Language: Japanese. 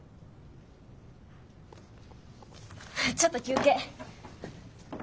ちょっと休憩！